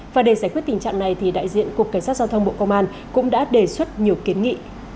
và để giải quyết tình trạng này thì đại diện cục cảnh sát giao thông bộ công an cũng đã đề xuất nhiều kiến nghị